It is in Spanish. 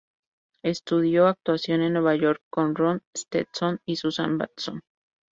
Estudió actuación en Nueva York con Ron Stetson y Susan Batson.